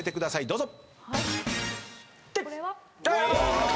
どうぞ。